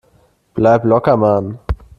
Bleib locker, Mann!